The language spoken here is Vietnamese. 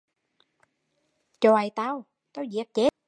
Chọi tau, tau giết chết